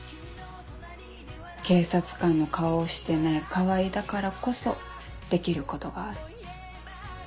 警察官の顔をしてない川合だからこそできることがある。